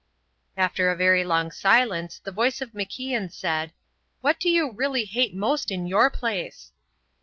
After a very long silence the voice of MacIan said: "What do you really hate most in your place?"